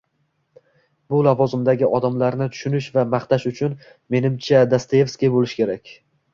Bu lavozimdagi odamlarni tushunish va maqtash uchun, menimcha, Dostoevskiy bo'lish kerak